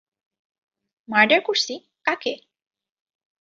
Murder করছি -কাকে?